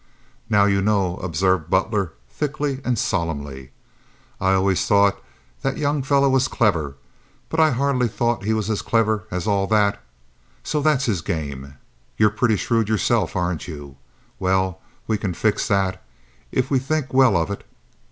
"Now you know," observed Butler, thickly and solemnly, "I always thought that young felly was clever, but I hardly thought he was as clever as all that. So that's his game. You're pretty shrewd yourself, aren't you? Well, we can fix that, if we think well of it.